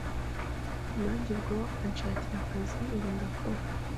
Nanjye ubwo anshakira akazi ubu ndakora,